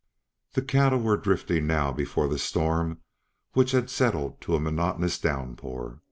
The cattle were drifting now before the storm which had settled to a monotonous downpour.